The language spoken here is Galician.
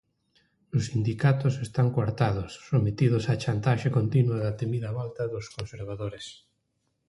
Os sindicatos están coartados, sometidos á chantaxe continua da temida volta dos conservadores.